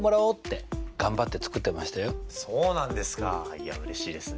いやうれしいですね！